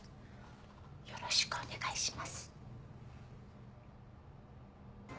よろしくお願いします。